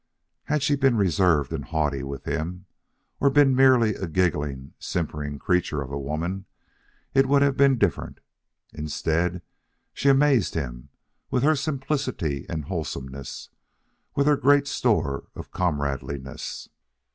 Had she been reserved and haughty with him, or been merely a giggling, simpering creature of a woman, it would have been different. Instead, she amazed him with her simplicity and wholesomeness, with her great store of comradeliness.